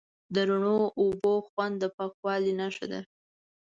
د رڼو اوبو خوند د پاکوالي نښه ده.